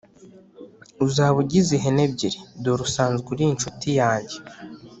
uzaba ugize ihene ebyiri dore usanzwe uri inshuti yange.”